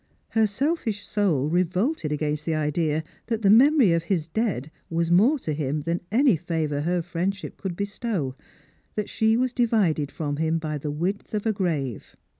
Her selfish soul revolted against the idea that the memory of his dead was more to him than any favour her friendship could bestow, that she waa divided from him by the width of a grave.